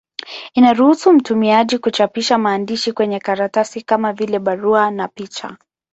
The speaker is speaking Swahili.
Inaruhusu mtumiaji kuchapisha maandishi kwenye karatasi, kama vile barua na picha.